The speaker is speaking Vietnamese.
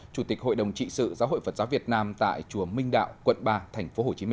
chủ tịch hội đồng trị sự giáo hội phật giáo việt nam tại chùa minh đạo quận ba tp hcm